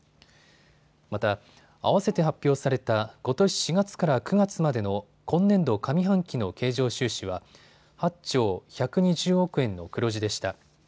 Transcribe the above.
また、あわせて発表されたことし４月から９月までの今年度上半期の経常収支は８兆１２０億円の黒字でした。